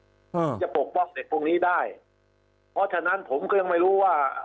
ที่จะปกป้องเด็กพวกนี้ได้เพราะฉะนั้นผมก็ยังไม่รู้ว่า